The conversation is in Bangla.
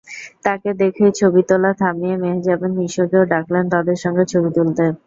তাঁকে দেখেই ছবি তোলা থামিয়ে মেহজাবিন নিশোকেও ডাকলেন তাঁদের সঙ্গে ছবি তুলতে।